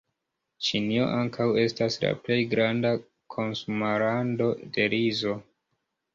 Ĉinio ankaŭ estas la plej granda konsumlando de rizo.